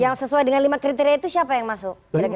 yang sesuai dengan lima kriteria itu siapa yang masuk